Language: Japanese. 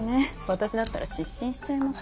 私だったら失神しちゃいます。